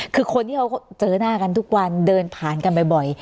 คือคนที่เขาเจอหน้ากันทุกวันเดินผ่านกันบ่อย